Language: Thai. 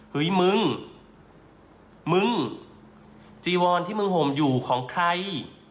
เฮ้ยมึงมึงจีวอนที่มึงห่มอยู่ของใคร